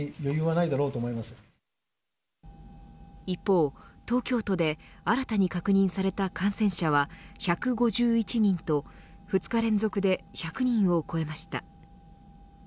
一方、東京都で新たに確認された感染者は１５１人と２日連続で１００人を超えました。